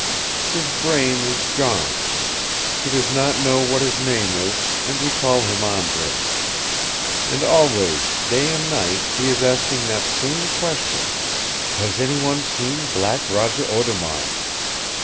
His brain is gone. He does not know what his name is, and we call him Andre. And always, day and night, he is asking that same question, 'Has any one seen Black Roger Audemard?'